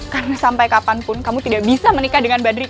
karena sampai kapanpun kamu tidak bisa menikah dengan mbak drika